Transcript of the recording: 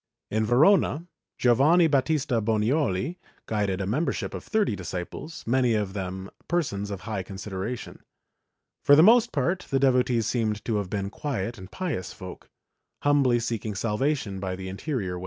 In Verona, Giovanni Battista Bonioli guided a membership of thirty disciples, many of them persons of high consideration. For the most part the devotees seem to have been quiet and pious folk, humbly seeking salvation by the interior way.